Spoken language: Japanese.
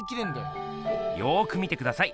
よく見てください。